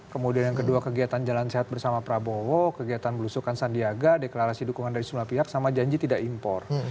kemudian yang kedua kegiatan jalan sehat bersama prabowo kegiatan belusukan sandiaga deklarasi dukungan dari semua pihak sama janji tidak impor